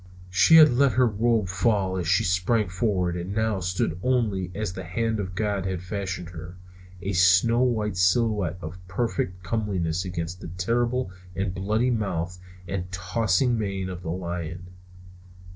She had let her robe fall as she sprang forward and now stood only as the hand of God had fashioned her; a snow white silhouette of perfect comeliness against the terrible and bloody mouth and tossing mane of the lion.